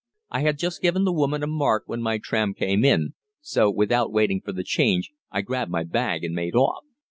I had just given the woman a mark when my tram came in, so without waiting for the change I grabbed my bag and made off.